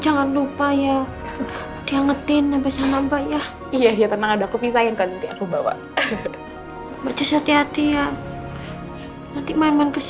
sa ada yang belum papa ceritain sama kamu sa